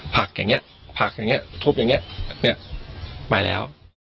ผลักอย่างเนี่ยผลักอย่างเนี่ยทุบอย่างเนี่ยเนี่ยไปแล้ว